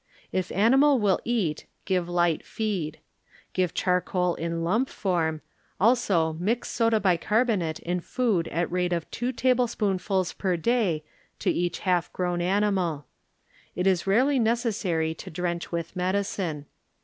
If animal will eat, give light feed. Give charcoal in lump form, also mix soda bicarbonate in food at rate of two tablespoon fuls per day to each halt grown animal. It is rarely neces sary to drench with medicine.